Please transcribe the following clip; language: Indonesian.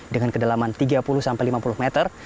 dengan kedalaman tiga puluh sampai lima puluh meter